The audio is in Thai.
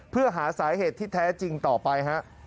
เพื่อหาสาเหตุที่แท้จริงต่อไปฮะ